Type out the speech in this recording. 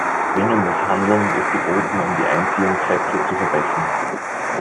Dringendes Handeln ist geboten, um die Einziehungssätze zu verbessern.